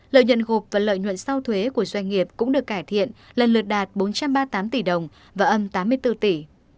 lợi nhuận gộp và lợi nhuận sau thuế của doanh nghiệp cũng được cải thiện lần lượt đạt bốn trăm ba mươi tám tỷ đồng và âm tám mươi bốn tỷ